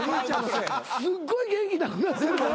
すっごい元気なくなってるから。